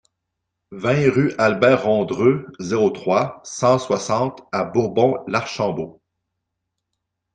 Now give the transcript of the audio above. vingt rue Albert Rondreux, zéro trois, cent soixante à Bourbon-l'Archambault